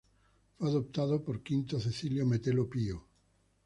Fue adoptado por Quinto Cecilio Metelo Pío.